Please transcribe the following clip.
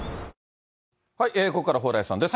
ここから蓬莱さんです。